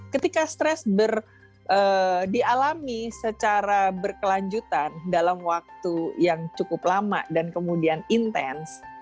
ketika stres dialami secara berkelanjutan dalam waktu yang cukup lama dan kemudian intens